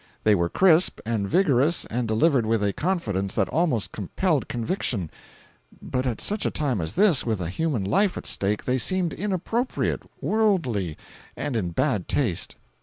They were crisp, and vigorous, and delivered with a confidence that almost compelled conviction; but at such a time as this, with a human life at stake, they seemed inappropriate, worldly, and in bad taste.